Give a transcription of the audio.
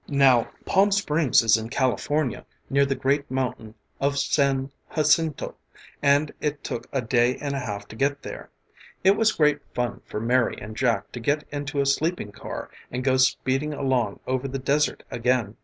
Now, Palm Springs is in California near the great Mountain of San Jacinto and it took a day and a half to get there. It was great fun for Mary and Jack to get into a sleeping car and go speeding along over the desert again.